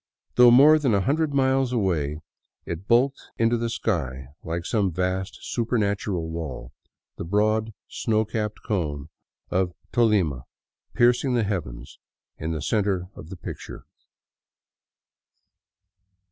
Though more than a hundred miles away, it bulked into the sky like some vast supernatural wall, the broad snow capped cone of Tolima piercing the heavens in the center of the picture.